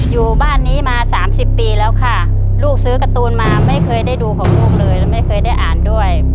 อยู่บ้านนี้มา๓๐ปีแล้วค่ะลูกซื้อการ์ตูนมาไม่เคยได้ดูของลูกเลยและไม่เคยได้อ่านด้วย